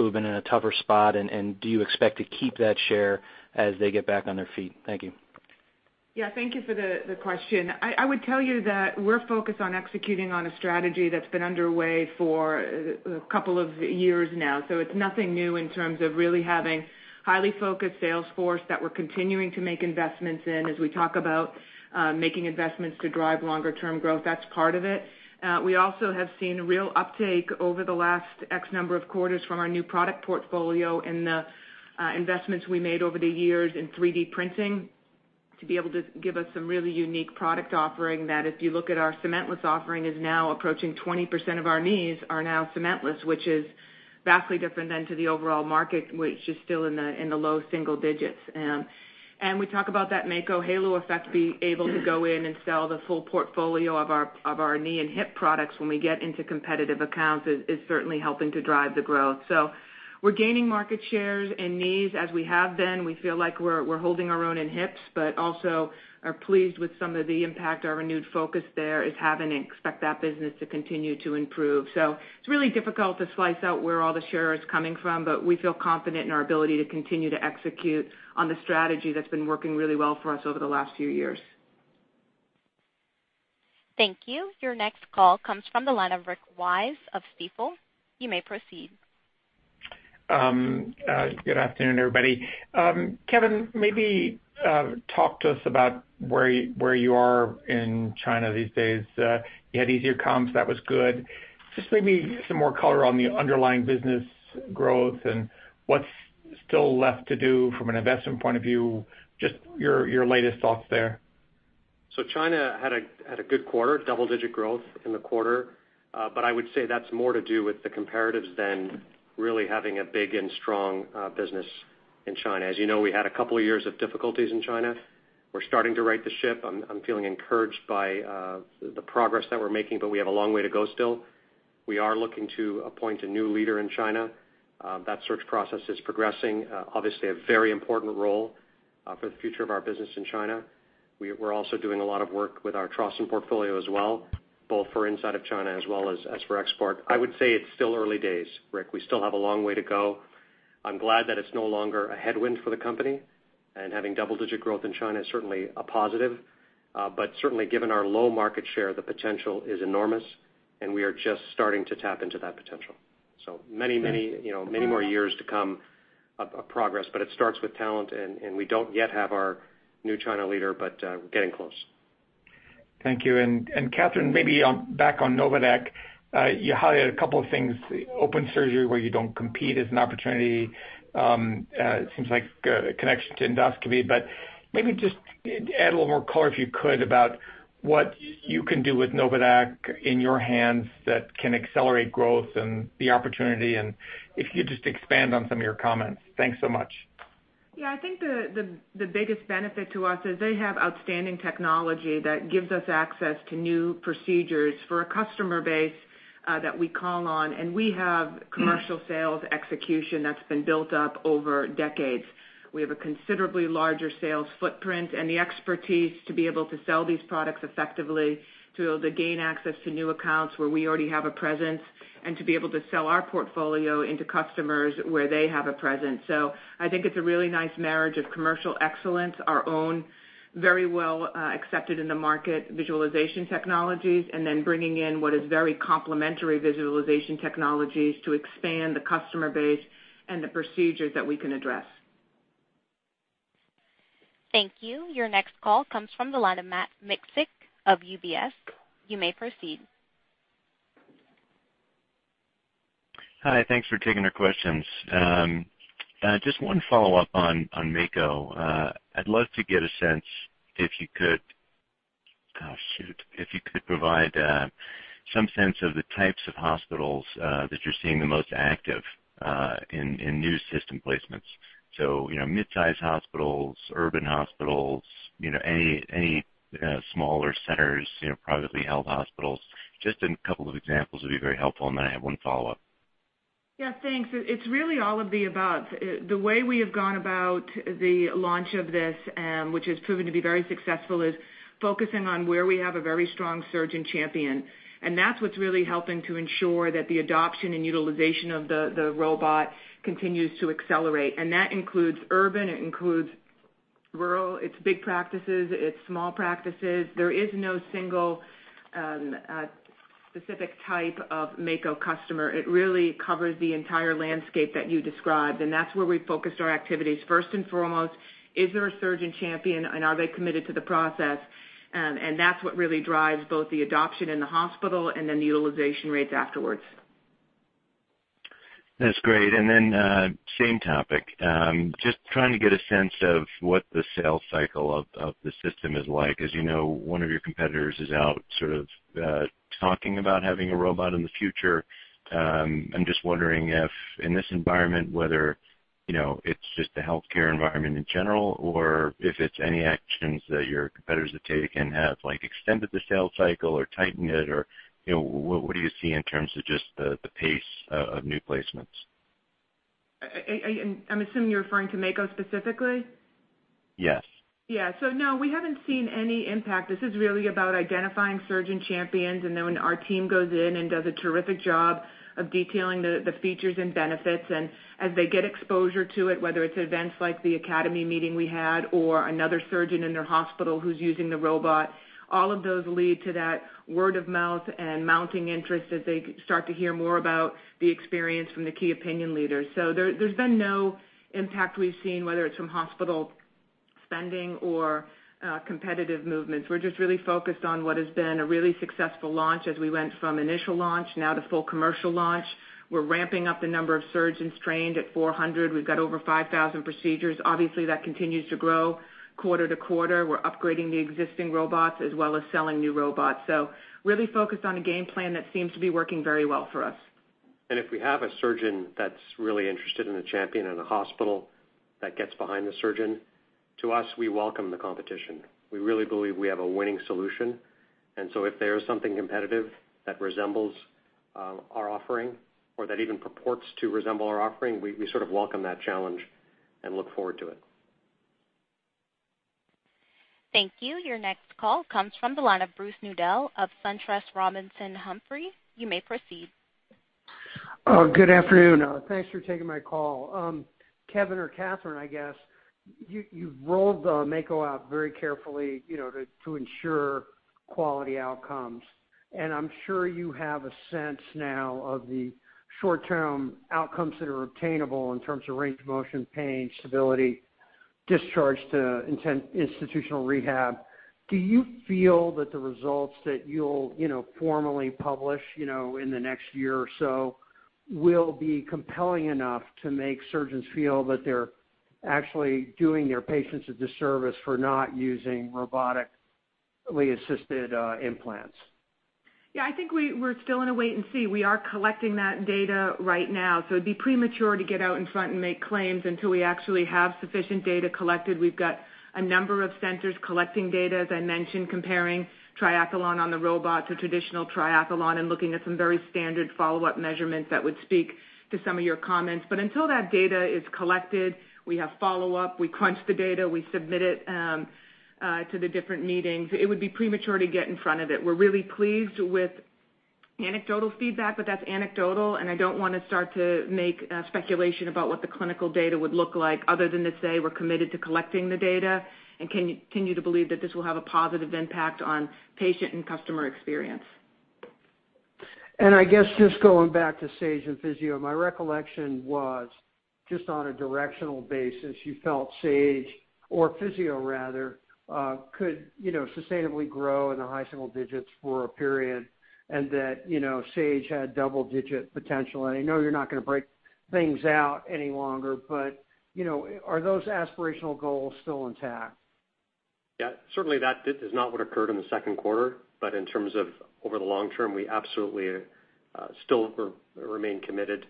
who have been in a tougher spot, and do you expect to keep that share as they get back on their feet? Thank you. Yeah, thank you for the question. I would tell you that we're focused on executing on a strategy that's been underway for a couple of years now. It's nothing new in terms of really having highly focused sales force that we're continuing to make investments in as we talk about making investments to drive longer-term growth. That's part of it. We also have seen a real uptake over the last X number of quarters from our new product portfolio and the investments we made over the years in 3D printing to be able to give us some really unique product offering that if you look at our cementless offering is now approaching 20% of our knees are now cementless, which is vastly different than to the overall market, which is still in the low single digits. We talk about that Mako halo effect, being able to go in and sell the full portfolio of our knee and hip products when we get into competitive accounts is certainly helping to drive the growth. We're gaining market shares in knees as we have been. We feel like we're holding our own in hips, but also are pleased with some of the impact our renewed focus there is having and expect that business to continue to improve. It's really difficult to slice out where all the share is coming from, but we feel confident in our ability to continue to execute on the strategy that's been working really well for us over the last few years. Thank you. Your next call comes from the line of Rick Wise of Stifel. You may proceed. Good afternoon, everybody. Kevin, maybe talk to us about where you are in China these days. You had easier comps. That was good. Just maybe some more color on the underlying business growth and what's still left to do from an investment point of view. Just your latest thoughts there. China had a good quarter, double-digit growth in the quarter. I would say that's more to do with the comparatives than really having a big and strong business in China. As you know, we had a couple of years of difficulties in China. We're starting to right the ship. I'm feeling encouraged by the progress that we're making, but we have a long way to go still. We are looking to appoint a new leader in China. That search process is progressing. Obviously, a very important role for the future of our business in China. We're also doing a lot of work with our Trauson portfolio as well, both for inside of China as well as for export. I would say it's still early days, Rick. We still have a long way to go. I'm glad that it's no longer a headwind for the company and having double-digit growth in China is certainly a positive. Certainly given our low market share, the potential is enormous and we are just starting to tap into that potential. Many more years to come of progress, but it starts with talent and we don't yet have our new China leader, but we're getting close. Thank you. Katherine, maybe back on NOVADAQ. You highlighted a couple of things. Open surgery where you don't compete is an opportunity. It seems like a connection to Endoscopy, but maybe just add a little more color, if you could, about what you can do with NOVADAQ in your hands that can accelerate growth and the opportunity, and if you could just expand on some of your comments. Thanks so much. Yeah, I think the biggest benefit to us is they have outstanding technology that gives us access to new procedures for a customer base that we call on. We have commercial sales execution that's been built up over decades. We have a considerably larger sales footprint and the expertise to be able to sell these products effectively, to be able to gain access to new accounts where we already have a presence, and to be able to sell our portfolio into customers where they have a presence. I think it's a really nice marriage of commercial excellence, our own very well accepted in the market visualization technologies, and then bringing in what is very complementary visualization technologies to expand the customer base and the procedures that we can address. Thank you. Your next call comes from the line of Matt Miksic of UBS. You may proceed. Hi, thanks for taking our questions. Just one follow-up on Mako. I'd love to get a sense if you could provide some sense of the types of hospitals that you're seeing the most active in new system placements. Mid-size hospitals, urban hospitals, any smaller centers, privately held hospitals. Just a couple of examples would be very helpful, and then I have one follow-up. Yeah, thanks. It's really all of the above. The way we have gone about the launch of this, which has proven to be very successful, is focusing on where we have a very strong surgeon champion. That's what's really helping to ensure that the adoption and utilization of the robot continues to accelerate. That includes urban, it includes rural, it's big practices, it's small practices. There is no single specific type of Mako customer. It really covers the entire landscape that you described, and that's where we focused our activities. First and foremost, is there a surgeon champion and are they committed to the process? That's what really drives both the adoption in the hospital and then the utilization rates afterwards. That's great. Same topic. Just trying to get a sense of what the sales cycle of the system is like. As you know, one of your competitors is out sort of talking about having a robot in the future. I'm just wondering if in this environment, whether it's just the healthcare environment in general or if it's any actions that your competitors have taken have extended the sales cycle or tightened it or what do you see in terms of just the pace of new placements? I'm assuming you're referring to Mako specifically? Yes. Yeah. No, we haven't seen any impact. This is really about identifying surgeon champions, when our team goes in and does a terrific job of detailing the features and benefits, as they get exposure to it, whether it's events like the academy meeting we had or another surgeon in their hospital who's using the robot, all of those lead to that word of mouth and mounting interest as they start to hear more about the experience from the key opinion leaders. There's been no impact we've seen, whether it's from hospital spending or competitive movements. We're just really focused on what has been a really successful launch as we went from initial launch now to full commercial launch. We're ramping up the number of surgeons trained at 400. We've got over 5,000 procedures. Obviously, that continues to grow quarter to quarter. We're upgrading the existing robots as well as selling new robots. Really focused on a game plan that seems to be working very well for us. If we have a surgeon that's really interested and a champion in a hospital that gets behind the surgeon, to us, we welcome the competition. We really believe we have a winning solution. If there is something competitive that resembles our offering or that even purports to resemble our offering, we sort of welcome that challenge and look forward to it. Thank you. Your next call comes from the line of Bruce Nudell of SunTrust Robinson Humphrey. You may proceed. Good afternoon. Thanks for taking my call. Kevin or Katherine, I guess, you've rolled the Mako out very carefully to ensure quality outcomes. I'm sure you have a sense now of the short-term outcomes that are obtainable in terms of range of motion, pain, stability, discharge to institutional rehab. Do you feel that the results that you'll formally publish in the next year or so will be compelling enough to make surgeons feel that they're actually doing their patients a disservice for not using robotically assisted implants? I think we're still in a wait and see. We are collecting that data right now, so it'd be premature to get out in front and make claims until we actually have sufficient data collected. We've got a number of centers collecting data, as I mentioned, comparing Triathlon on the robot to traditional Triathlon and looking at some very standard follow-up measurements that would speak to some of your comments. Until that data is collected, we have follow-up, we crunch the data, we submit it to the different meetings. It would be premature to get in front of it. We're really pleased with anecdotal feedback, that's anecdotal, I don't want to start to make a speculation about what the clinical data would look like other than to say we're committed to collecting the data and continue to believe that this will have a positive impact on patient and customer experience. I guess just going back to Sage and Physio, my recollection was just on a directional basis, you felt Sage or Physio rather, could sustainably grow in the high single digits for a period, and that Sage had double-digit potential. I know you're not going to break things out any longer, but are those aspirational goals still intact? Certainly that is not what occurred in the second quarter, in terms of over the long term, we absolutely still remain committed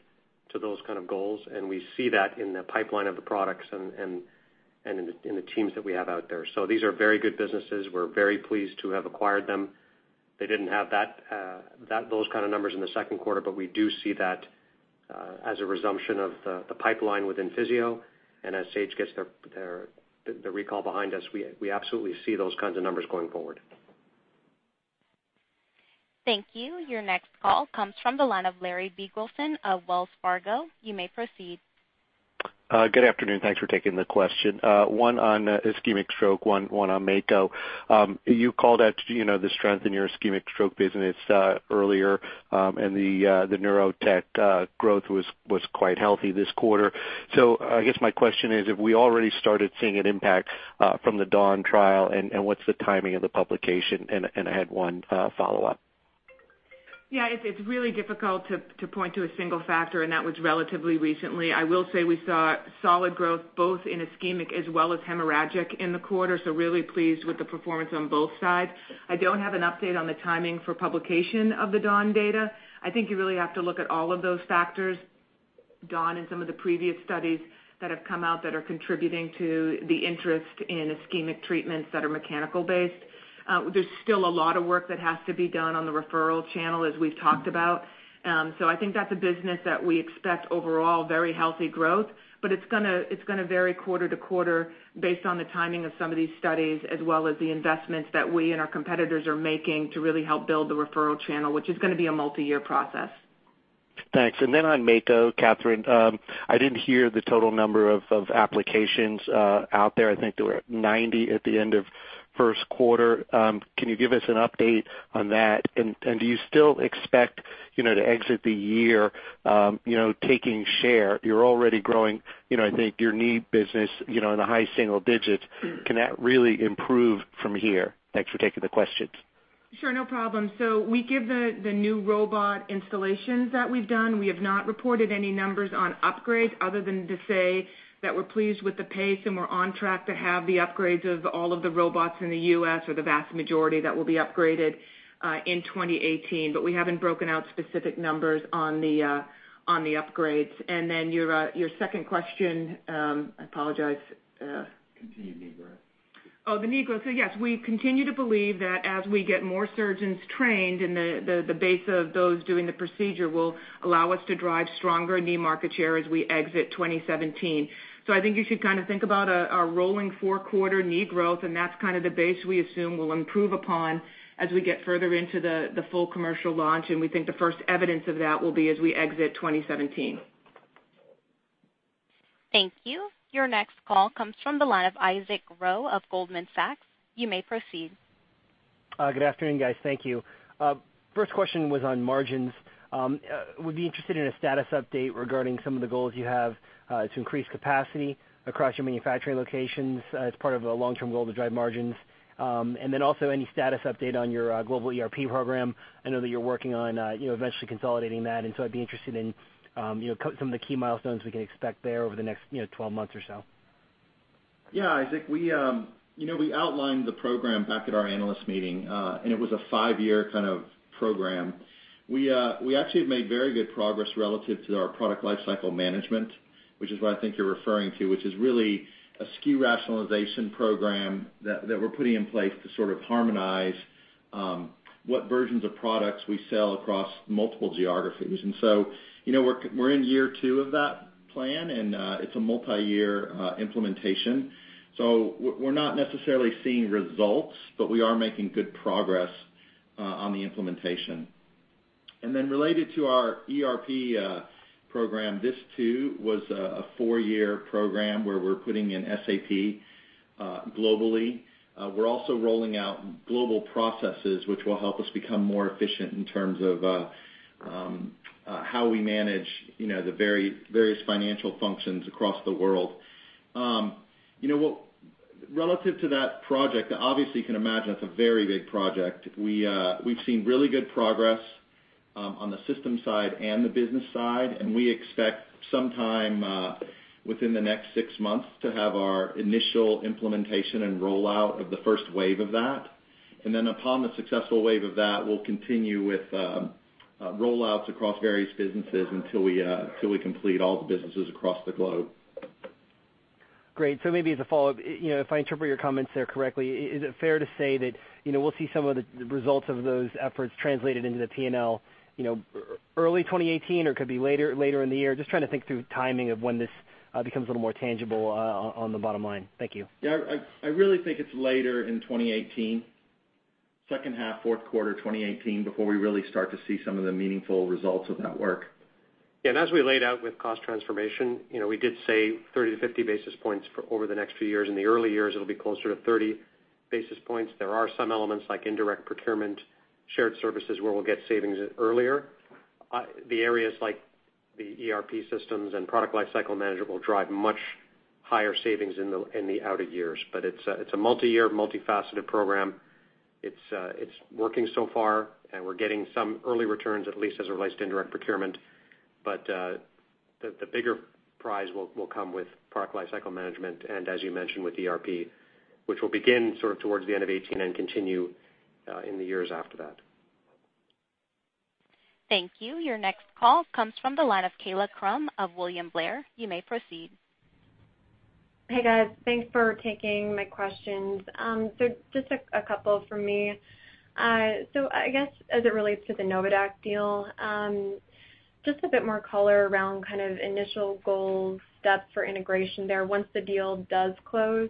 to those kind of goals, we see that in the pipeline of the products and in the teams that we have out there. These are very good businesses. We're very pleased to have acquired them. They didn't have those kind of numbers in the second quarter, we do see that as a resumption of the pipeline within Physio. As Sage gets the recall behind us, we absolutely see those kinds of numbers going forward. Thank you. Your next call comes from the line of Larry Biegelsen of Wells Fargo. You may proceed. Good afternoon. Thanks for taking the question. One on ischemic stroke, one on Mako. You called out the strength in your ischemic stroke business earlier, and the neurotech growth was quite healthy this quarter. I guess my question is, have we already started seeing an impact from the DAWN trial, and what's the timing of the publication? I had one follow-up. Yeah, it's really difficult to point to a single factor, and that was relatively recently. I will say we saw solid growth both in ischemic as well as hemorrhagic in the quarter, really pleased with the performance on both sides. I don't have an update on the timing for publication of the DAWN data. I think you really have to look at all of those factors, DAWN and some of the previous studies that have come out that are contributing to the interest in ischemic treatments that are mechanical based. There's still a lot of work that has to be done on the referral channel, as we've talked about. I think that's a business that we expect overall very healthy growth, but it's going to vary quarter to quarter based on the timing of some of these studies, as well as the investments that we and our competitors are making to really help build the referral channel, which is going to be a multi-year process. Thanks. On Mako, Katherine, I didn't hear the total number of applications out there. I think there were 90 at the end of first quarter. Can you give us an update on that? Do you still expect to exit the year taking share? You're already growing, I think your knee business in the high single digits. Can that really improve from here? Thanks for taking the questions. Sure, no problem. We give the new robot installations that we've done. We have not reported any numbers on upgrades other than to say that we're pleased with the pace and we're on track to have the upgrades of all of the robots in the U.S. or the vast majority that will be upgraded in 2018. We haven't broken out specific numbers on the upgrades. Your second question, I apologize. Continue, me bro Yes, we continue to believe that as we get more surgeons trained, the base of those doing the procedure will allow us to drive stronger knee market share as we exit 2017. I think you should think about a rolling 4-quarter knee growth, that's kind of the base we assume we'll improve upon as we get further into the full commercial launch. We think the first evidence of that will be as we exit 2017. Thank you. Your next call comes from the line of Isaac Ro of Goldman Sachs. You may proceed. Good afternoon, guys. Thank you. First question was on margins. Would be interested in a status update regarding some of the goals you have to increase capacity across your manufacturing locations as part of a long-term goal to drive margins. Also any status update on your global ERP program. I know that you're working on eventually consolidating that, I'd be interested in some of the key milestones we can expect there over the next 12 months or so. Isaac, we outlined the program back at our analyst meeting, it was a 5-year kind of program. We actually have made very good progress relative to our product lifecycle management, which is what I think you're referring to, which is really a SKU rationalization program that we're putting in place to sort of harmonize what versions of products we sell across multiple geographies. We're in year 2 of that plan, it's a multi-year implementation. We're not necessarily seeing results, but we are making good progress on the implementation. Related to our ERP program, this too was a 4-year program where we're putting in SAP globally. Also rolling out global processes, which will help us become more efficient in terms of how we manage the various financial functions across the world. Relative to that project, you can imagine it's a very big project. We've seen really good progress on the system side and the business side, we expect sometime within the next 6 months to have our initial implementation and rollout of the first wave of that. Upon the successful wave of that, we'll continue with rollouts across various businesses until we complete all the businesses across the globe. Great. Maybe as a follow-up, if I interpret your comments there correctly, is it fair to say that we'll see some of the results of those efforts translated into the P&L early 2018, or could be later in the year? Just trying to think through timing of when this becomes a little more tangible on the bottom line. Thank you. Yeah, I really think it's later in 2018, second half, fourth quarter 2018, before we really start to see some of the meaningful results of that work. Yeah, as we laid out with Cost Transformation, we did say 30-50 basis points over the next few years. In the early years, it'll be closer to 30 basis points. There are some elements like indirect procurement, shared services, where we'll get savings earlier. The areas like the ERP systems and product lifecycle management will drive much higher savings in the outer years. It's a multi-year, multifaceted program. It's working so far, we're getting some early returns, at least as it relates to indirect procurement. The bigger prize will come with product lifecycle management, and as you mentioned, with ERP, which will begin sort of towards the end of 2018 and continue in the years after that. Thank you. Your next call comes from the line of Kaila Krum of William Blair. You may proceed. Hey, guys. Thanks for taking my questions. Just a couple from me. I guess as it relates to the NOVADAQ deal, just a bit more color around kind of initial goals, steps for integration there once the deal does close.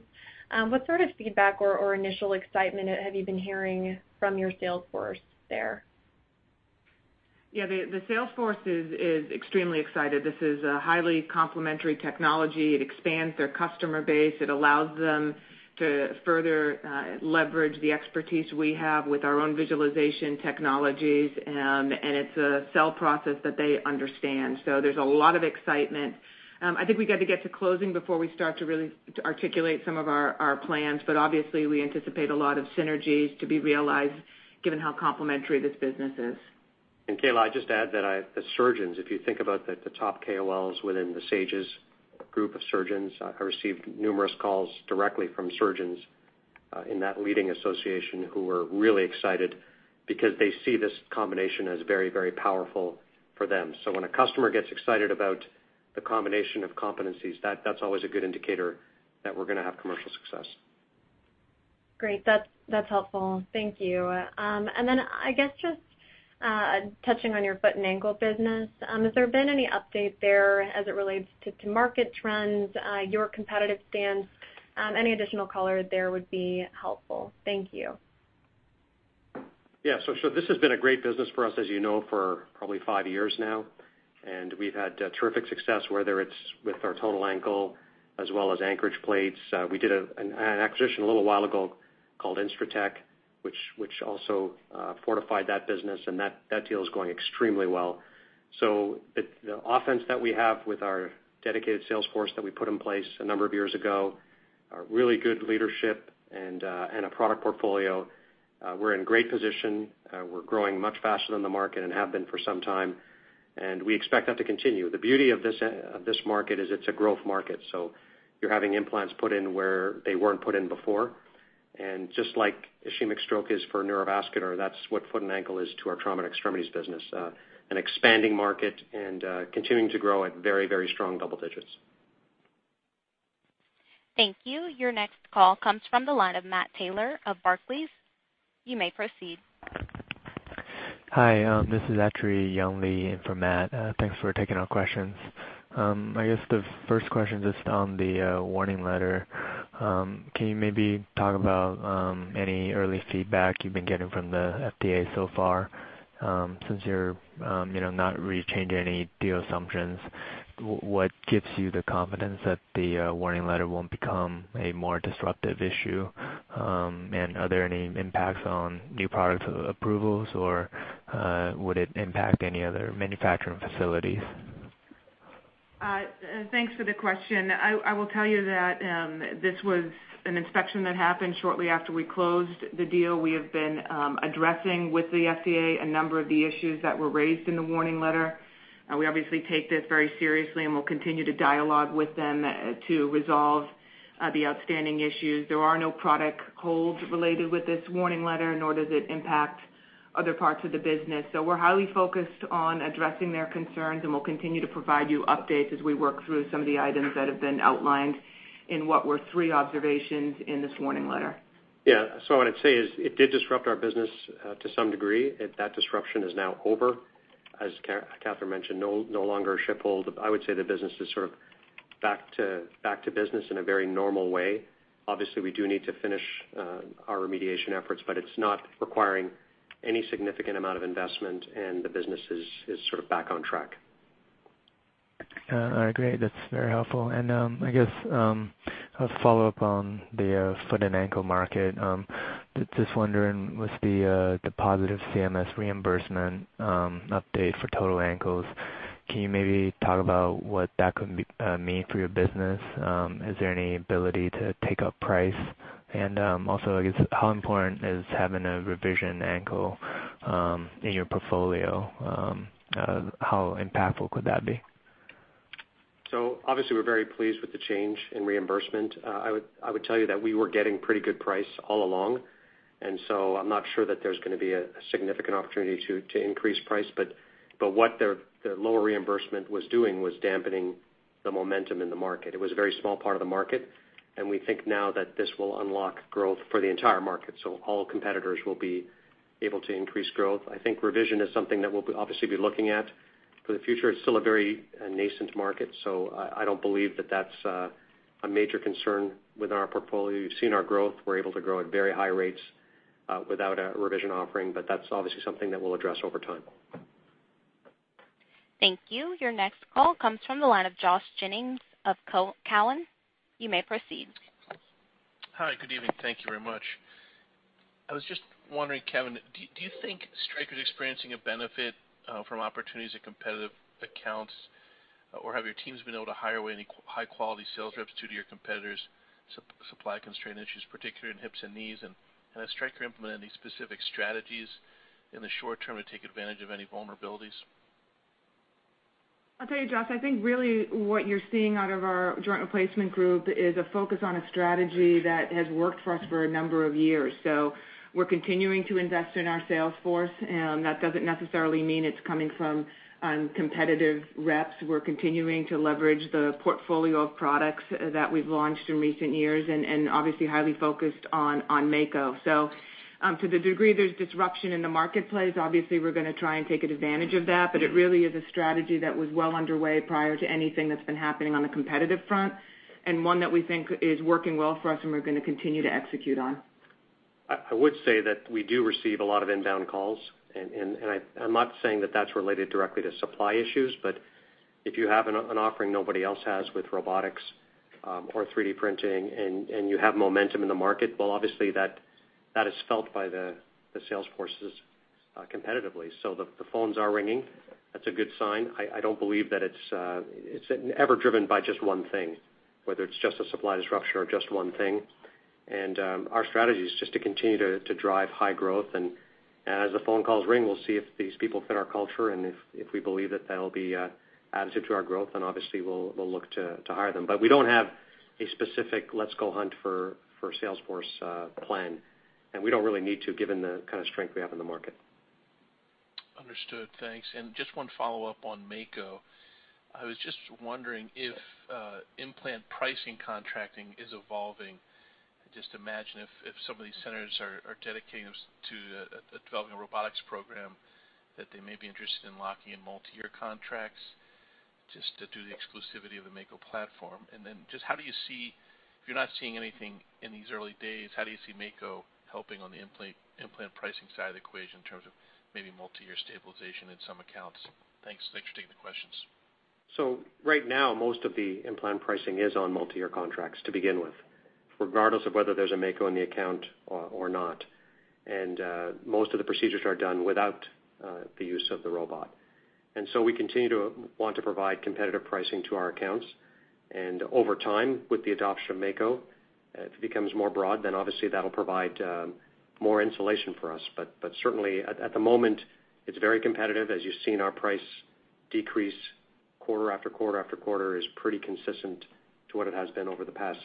What sort of feedback or initial excitement have you been hearing from your sales force there? The sales force is extremely excited. This is a highly complementary technology. It expands their customer base. It allows them to further leverage the expertise we have with our own visualization technologies, and it's a sell process that they understand. There's a lot of excitement. I think we've got to get to closing before we start to really articulate some of our plans, but obviously, we anticipate a lot of synergies to be realized given how complementary this business is. Kaila, I'd just add that the surgeons, if you think about the top KOLs within the SAGES group of surgeons, I received numerous calls directly from surgeons in that leading association who are really excited because they see this combination as very, very powerful for them. When a customer gets excited about the combination of competencies, that's always a good indicator that we're going to have commercial success. Great. That's helpful. Thank you. I guess just touching on your foot and ankle business, has there been any update there as it relates to market trends, your competitive stance? Any additional color there would be helpful. Thank you. This has been a great business for us, as you know, for probably five years now. We've had terrific success, whether it's with our total ankle as well as anchorage plates. We did an acquisition a little while ago called Instratek, which also fortified that business, and that deal is going extremely well. The offense that we have with our dedicated sales force that we put in place a number of years ago, our really good leadership, and a product portfolio, we're in great position. We're growing much faster than the market and have been for some time, and we expect that to continue. The beauty of this market is it's a growth market, you're having implants put in where they weren't put in before. Just like ischemic stroke is for neurovascular, that's what foot and ankle is to our Trauma and Extremities business. An expanding market and continuing to grow at very, very strong double digits. Thank you. Your next call comes from the line of Matt Taylor of Barclays. You may proceed. Hi, this is actually Young Lee in for Matt. Thanks for taking our questions. I guess the first question, just on the warning letter. Can you maybe talk about any early feedback you've been getting from the FDA so far? Since you're not really changing any deal assumptions, what gives you the confidence that the warning letter won't become a more disruptive issue? Are there any impacts on new product approvals, or would it impact any other manufacturing facilities? Thanks for the question. I will tell you that this was an inspection that happened shortly after we closed the deal. We have been addressing with the FDA a number of the issues that were raised in the warning letter. We obviously take this very seriously, and we'll continue to dialogue with them to resolve the outstanding issues. There are no product holds related with this warning letter, nor does it impact other parts of the business. We're highly focused on addressing their concerns, and we'll continue to provide you updates as we work through some of the items that have been outlined in what were three observations in this warning letter. Yeah. What I'd say is it did disrupt our business to some degree. That disruption is now over. As Katherine mentioned, no longer ship hold. I would say the business is sort of back to business in a very normal way. Obviously, we do need to finish our remediation efforts, but it's not requiring any significant amount of investment, and the business is sort of back on track. All right, great. That's very helpful. I guess a follow-up on the foot and ankle market. Just wondering, with the positive CMS reimbursement update for total ankles, can you maybe talk about what that could mean for your business? Is there any ability to take up price? Also, I guess, how important is having a revision ankle in your portfolio? How impactful could that be? Obviously, we're very pleased with the change in reimbursement. I would tell you that we were getting pretty good price all along. I'm not sure that there's going to be a significant opportunity to increase price. What the lower reimbursement was doing was dampening the momentum in the market. It was a very small part of the market. We think now that this will unlock growth for the entire market. All competitors will be able to increase growth. Revision is something that we'll obviously be looking at for the future. It's still a very nascent market. I don't believe that that's a major concern with our portfolio. You've seen our growth. We're able to grow at very high rates without a revision offering. That's obviously something that we'll address over time. Thank you. Your next call comes from the line of Joshua Jennings of Cowen. You may proceed. Hi. Good evening. Thank you very much. I was just wondering, Katherine, do you think Stryker's experiencing a benefit from opportunities at competitive accounts? Have your teams been able to hire away any high-quality sales reps due to your competitors' supply constraint issues, particularly in hips and knees? Has Stryker implemented any specific strategies in the short term to take advantage of any vulnerabilities? I'll tell you, Josh, I think really what you're seeing out of our joint replacement group is a focus on a strategy that has worked for us for a number of years. We're continuing to invest in our sales force. That doesn't necessarily mean it's coming from competitive reps. We're continuing to leverage the portfolio of products that we've launched in recent years and obviously highly focused on Mako. To the degree there's disruption in the marketplace, obviously, we're going to try and take advantage of that. It really is a strategy that was well underway prior to anything that's been happening on the competitive front and one that we think is working well for us and we're going to continue to execute on. I would say that we do receive a lot of inbound calls. I'm not saying that that's related directly to supply issues, but if you have an offering nobody else has with robotics or 3D printing and you have momentum in the market, well, obviously that is felt by the sales forces competitively. The phones are ringing. That's a good sign. I don't believe that it's ever driven by just one thing, whether it's just a supply disruption or just one thing. Our strategy is just to continue to drive high growth. As the phone calls ring, we'll see if these people fit our culture, and if we believe that that'll be additive to our growth, then obviously we'll look to hire them. We don't have a specific let's go hunt for sales force plan. We don't really need to, given the kind of strength we have in the market. Understood. Thanks. Just one follow-up on Mako. I was just wondering if implant pricing contracting is evolving. I just imagine if some of these centers are dedicating to developing a robotics program that they may be interested in locking in multi-year contracts just to do the exclusivity of the Mako platform. If you're not seeing anything in these early days, how do you see Mako helping on the implant pricing side of the equation in terms of maybe multi-year stabilization in some accounts? Thanks. Thanks for taking the questions. Right now, most of the implant pricing is on multi-year contracts to begin with, regardless of whether there's a Mako in the account or not. Most of the procedures are done without the use of the robot. We continue to want to provide competitive pricing to our accounts. Over time, with the adoption of Mako, if it becomes more broad, then obviously that'll provide more insulation for us. Certainly at the moment, it's very competitive. As you've seen, our price decrease quarter after quarter after quarter is pretty consistent to what it has been over the past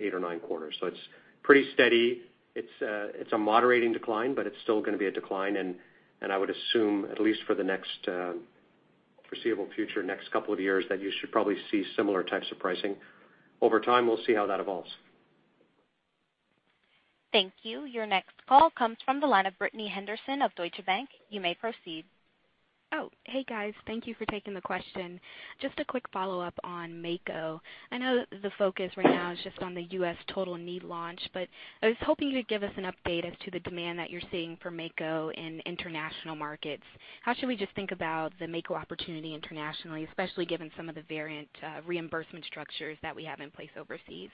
eight or nine quarters. It's pretty steady. It's a moderating decline, but it's still going to be a decline. I would assume at least for the next foreseeable future, next couple of years, that you should probably see similar types of pricing. Over time, we'll see how that evolves. Thank you. Your next call comes from the line of Brittany Henderson of Deutsche Bank. You may proceed. Oh, hey, guys. Thank you for taking the question. Just a quick follow-up on Mako. I know that the focus right now is just on the U.S. total knee launch, I was hoping you'd give us an update as to the demand that you're seeing for Mako in international markets. How should we just think about the Mako opportunity internationally, especially given some of the variant reimbursement structures that we have in place overseas?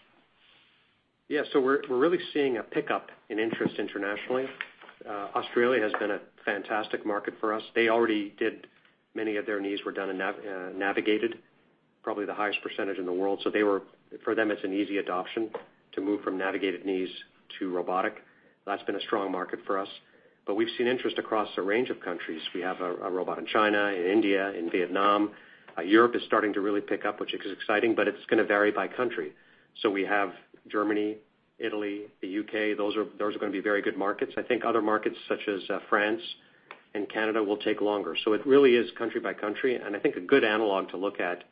Yeah. We're really seeing a pickup in interest internationally. Australia has been a fantastic market for us. They already did many of their knees were done in Navigated, probably the highest percentage in the world. For them, it's an easy adoption to move from Navigated knees to robotic. That's been a strong market for us. We've seen interest across a range of countries. We have a robot in China, in India, in Vietnam. Europe is starting to really pick up, which is exciting, it's going to vary by country. We have Germany, Italy, the U.K. Those are going to be very good markets. I think other markets such as France and Canada will take longer. It really is country by country, and I think a good analog to look at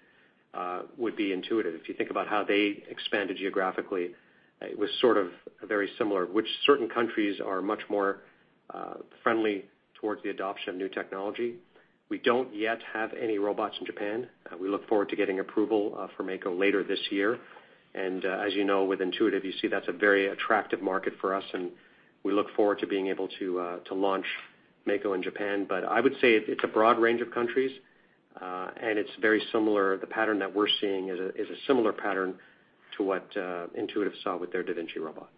would be Intuitive. If you think about how they expanded geographically, it was sort of very similar, which certain countries are much more friendly towards the adoption of new technology. We don't yet have any robots in Japan. We look forward to getting approval for Mako later this year. As you know, with Intuitive, you see that's a very attractive market for us, and we look forward to being able to launch Mako in Japan. I would say it's a broad range of countries, and it's very similar. The pattern that we're seeing is a similar pattern to what Intuitive saw with their da Vinci robot. Okay.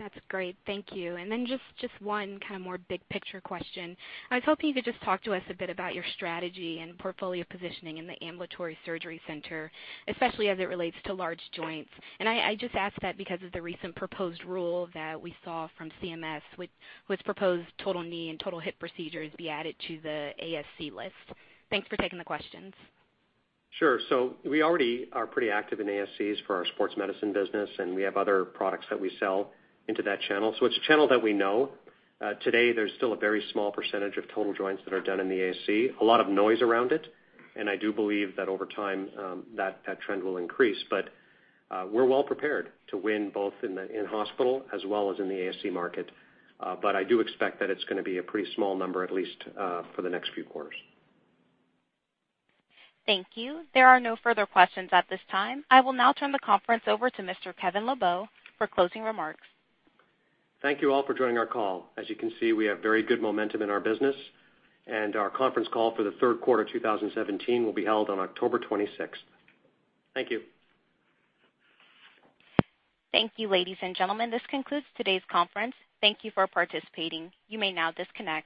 That's great. Thank you. Just one kind of more big picture question. I was hoping you could just talk to us a bit about your strategy and portfolio positioning in the Ambulatory Surgery Center, especially as it relates to large joints. I just ask that because of the recent proposed rule that we saw from CMS, which proposed total knee and total hip procedures be added to the ASC list. Thanks for taking the questions. Sure. We already are pretty active in ASCs for our sports medicine business, and we have other products that we sell into that channel. It's a channel that we know. Today, there's still a very small percentage of total joints that are done in the ASC. A lot of noise around it, and I do believe that over time, that trend will increase. We're well prepared to win both in the in-hospital as well as in the ASC market. I do expect that it's going to be a pretty small number, at least for the next few quarters. Thank you. There are no further questions at this time. I will now turn the conference over to Mr. Kevin Lobo for closing remarks. Thank you all for joining our call. As you can see, we have very good momentum in our business, our conference call for the third quarter 2017 will be held on October 26th. Thank you. Thank you, ladies and gentlemen. This concludes today's conference. Thank you for participating. You may now disconnect.